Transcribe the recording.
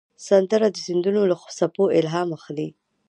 سندره د سیندونو له څپو الهام اخلي